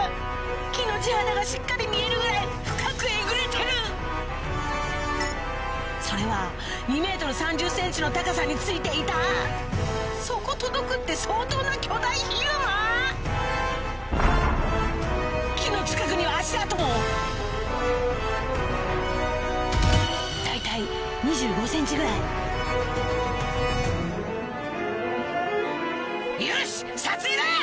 木の地肌がしっかり見えるぐらい深くえぐれてるそれは２ｍ３０ｃｍの高さについていたそこ届くって相当な巨大ヒグマ⁉木の近くには足跡もよし撮影だ！